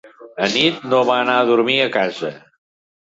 Anit no va anar a dormir a casa.